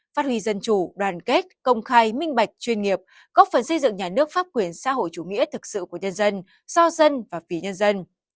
phát huy dân chủ đoàn kết công khai minh bạch chuyên nghiệp góp phần xây dựng nhà nước pháp quyền xã hội chủ nghĩa thực sự của nhân dân do dân và vì nhân dân